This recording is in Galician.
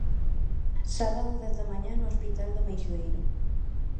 Sábado dez da mañá no hospital do Meixoeiro.